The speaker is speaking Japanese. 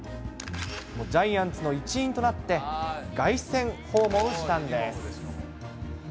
ジャイアンツの一員となって、凱旋訪問したんです。